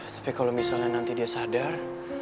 tapi kalau misalnya nanti dia sadar